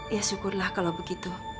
ya syukurlah kalau begitu